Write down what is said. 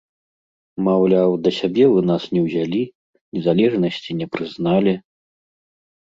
Маўляў, да сябе вы нас не ўзялі, незалежнасці не прызналі.